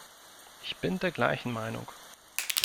Ich bin der gleichen Meinung.